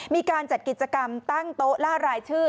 มีการจัดกิจกรรมตั้งโต๊ะล่ารายชื่อ